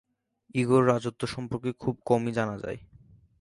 ইগোর রাজত্ব সম্পর্কে খুব কমই জানা যায়।